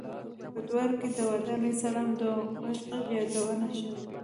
په دواړو کې د داود علیه السلام د خوږ غږ یادونه شوې.